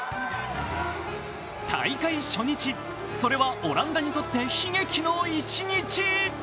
大会初日、それはオランダにとって悲劇の一日。